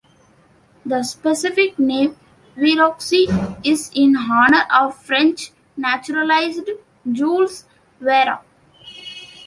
The specific name, "verreauxi", is in honor of French naturalist Jules Verreaux.